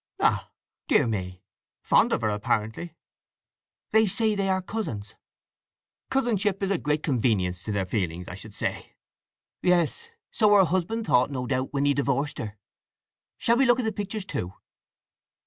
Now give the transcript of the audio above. "Ah—dear me! Fond of her, apparently." "They say they are cousins." "Cousinship is a great convenience to their feelings, I should say?" "Yes. So her husband thought, no doubt, when he divorced her… Shall we look at the pictures, too?"